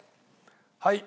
はい。